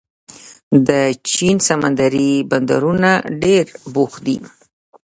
د چین سمندري بندرونه ډېر بوخت دي.